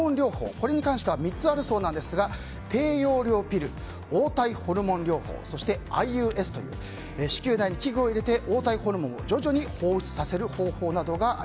これに関しては３つあるそうなんですが低用量ピル黄体ホルモン療法そしてＩＵＳという子宮内に器具を入れて黄体ホルモンを徐々に放出させる方法です。